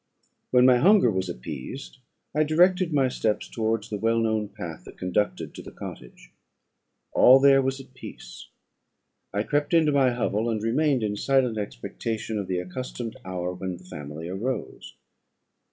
"When my hunger was appeased, I directed my steps towards the well known path that conducted to the cottage. All there was at peace. I crept into my hovel, and remained in silent expectation of the accustomed hour when the family arose.